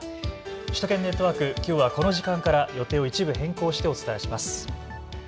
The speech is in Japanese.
首都圏ネットワーク、きょうはこの時間から予定を一部変更してお伝えします。